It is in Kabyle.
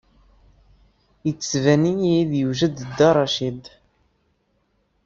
Ittban-iyi-d yewjed Dda Racid.